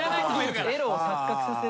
エロを錯覚させる。